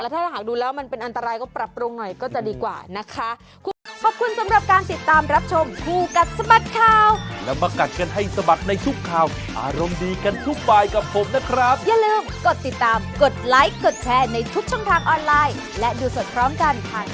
ถ้าหากดูแล้วมันเป็นอันตรายก็ปรับปรุงหน่อยก็จะดีกว่านะคะ